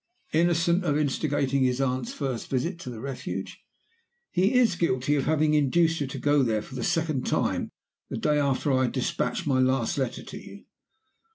Innocent of instigating his aunt's first visit to the Refuge, he is guilty of having induced her to go there for the second time the day after I had dispatched my last letter to you.